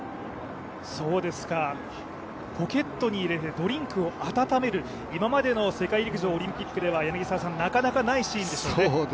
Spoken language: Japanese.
ポケットに入れてドリンクを温める、今までの世界陸上、オリンピックではなかなかないシーンでしょうね